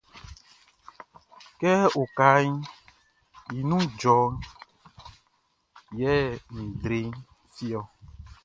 Kɛ okaʼn i nun lɔʼn djɔ yɛ nʼdre fi ɔ.